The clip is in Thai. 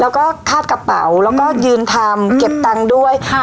แล้วก็คาดกระเป๋าแล้วก็ยืนทำเก็บตังค์ด้วยค่ะ